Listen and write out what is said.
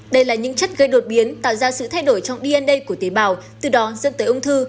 đây là những chất gây đột biến tạo ra sự thay đổi trong dn của tế bào từ đó dẫn tới ung thư